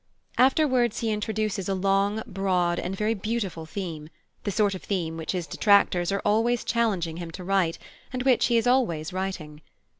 Afterwards he introduces a long, broad, and very beautiful theme, the sort of theme which his detractors are always challenging him to write, and which he is always writing.